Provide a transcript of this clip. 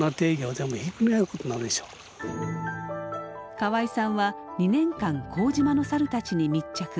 河合さんは２年間幸島のサルたちに密着。